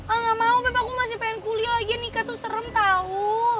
ah gak mau beb aku masih pengen kuliah lagi nikah tuh serem tau